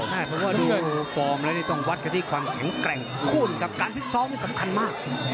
ดูฟอร์มแล้วต้องวัดกับที่ความแข็งแกร่งคู่กับการพิกซ้อมมันสำคัญมาก